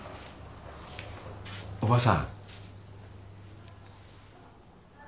おばさん。